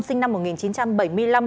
sinh năm một nghìn chín trăm bảy mươi năm